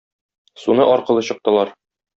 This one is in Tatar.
Суны аркылы чыктылар.